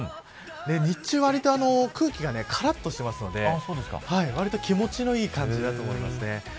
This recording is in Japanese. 日中は、わりと空気がからっとしていますのでわりと気持ちのいい感じだと思います。